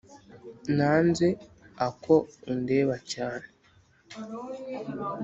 nanze ako undeba cyane